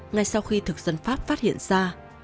ngay sau khi thực dân pháp phát hiện ra